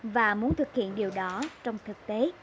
và muốn thực hiện điều đó trong thực tế